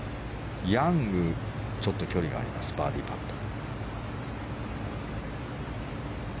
ヤング、ちょっと距離がありますバーディーパット。